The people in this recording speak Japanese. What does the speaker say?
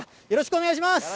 よろしくお願いします。